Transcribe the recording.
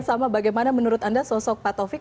sama bagaimana menurut anda sosok pak taufik